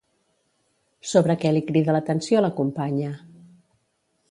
Sobre què li crida l'atenció la companya?